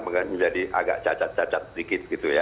menjadi agak cacat cacat sedikit